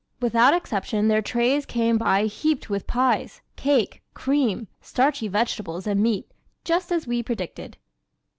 Without exception their trays came by heaped with pies, cake, cream, starchy vegetables and meat, just as we predicted.